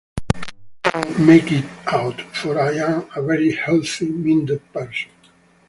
I can't make it out, for I am a very healthy-minded person.